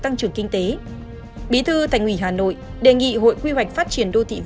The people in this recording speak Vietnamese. tăng trưởng kinh tế bí thư thành ủy hà nội